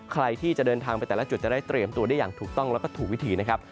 ใครที่จะเดินทางไปแต่ละจุดจะได้เตรียมตัวได้อย่างถูกต้องแล้วก็ถูกวิธีนะครับ